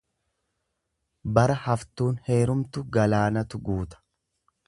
Bara haftuun heerumtu galaanatu guuta.